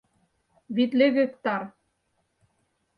— Витле гектар.